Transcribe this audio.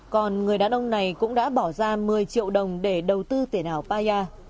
còn người đàn ông này cũng đã bỏ ra một mươi triệu đồng để đầu tư tiền ảo paya